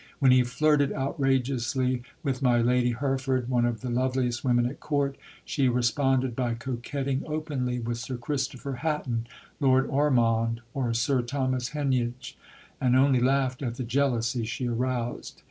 When he flirted outrageously with my Lady Hereford, one of the loveliest women at Court, she responded by coquetting openly with Sir Christopher Hatton, Lord Ormonde, or Sir Thomas Heneage; and only laughed at the jealousy she aroused.